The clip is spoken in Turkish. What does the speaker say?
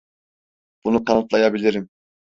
Bunu kanıtlayabilirim.